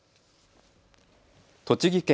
栃木県